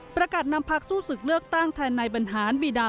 ประกัดนำภักดิ์สู้ศึกเลือกตั้งแทนในบัญหานบิดาล